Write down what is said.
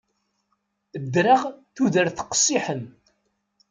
Ddreɣ tudert qessiḥen.